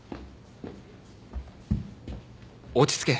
落ち着け。